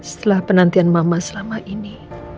setelah penantian mama selama ini